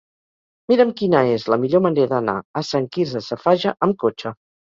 Mira'm quina és la millor manera d'anar a Sant Quirze Safaja amb cotxe.